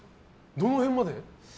どの辺まで？